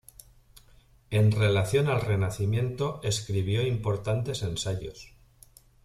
En relación al Renacimiento escribió importantes ensayos.